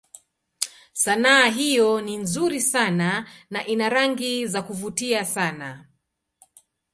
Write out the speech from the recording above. Sanaa hiyo ni nzuri sana na ina rangi za kuvutia sana.